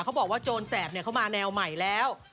เขาบอกว่าโจรแสบเขามาแนวใหม่แล้ว